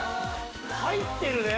入ってるね。